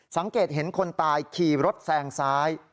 สังเกตเห็นคนตายขี่รถแซงซ้าย